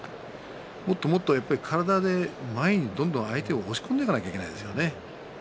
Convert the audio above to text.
もっともっと体で前にどんどん相手を押し込んでいかないといけないですよね。